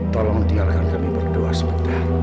tolong tinggalkan kami berdua sebentar